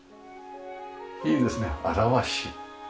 いいですね現し。